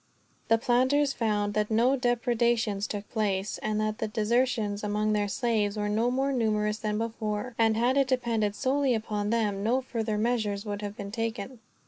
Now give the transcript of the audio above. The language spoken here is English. The planters found that no depredations took place, and that the desertions among their slaves were no more numerous than before; and had it depended solely upon them, no further measures would have been taken.